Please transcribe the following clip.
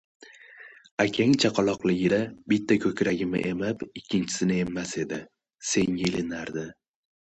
Akang chaqaloqligida bitta ko‘kragimni emib, ikkinchisini emmas edi, senga ilinardi.